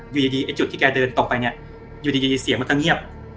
อยู่ดีไอ้จุดที่แกเดินต่อไปเนี่ยอยู่ดีเสียงมันก็เงียบ